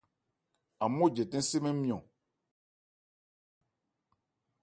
An mó jɛtɛn sé mɛ́n nmyɔ̂n.